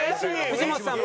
藤本さん！